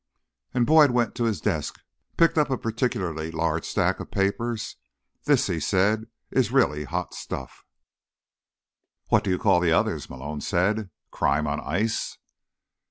And Boyd went to his desk, picked up a particularly large stack of papers. "This," he said, "is really hot stuff." "What do you call the others?" Malone said. "Crime on ice?"